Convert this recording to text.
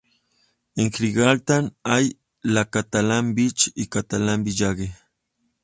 En Gibraltar hay la Catalan Beach y el Catalan village.